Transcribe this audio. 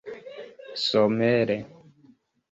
somere